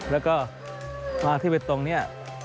แล้วก็มาที่ไปตรงนี้